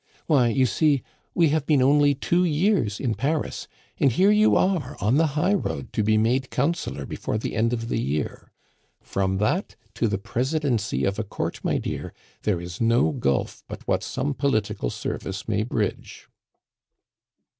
"Why, you see! We have been only two years in Paris, and here you are on the highroad to be made Councillor before the end of the year. From that to the Presidency of a court, my dear, there is no gulf but what some political service may bridge."